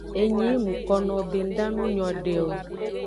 Enyi yi nuko be nda nu nyode o.